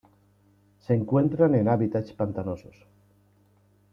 Se encuentran en hábitats pantanosos.